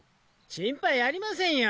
心配ありませんよ